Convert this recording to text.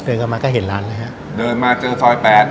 กลับมาก็เห็นร้านนะฮะเดินมาเจอซอยแปด